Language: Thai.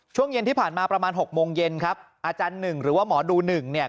ช่วงเย็นที่ผ่านมาประมาณ๖โมงเย็นครับอาจารย์หนึ่งหรือว่าหมอดูหนึ่งเนี่ย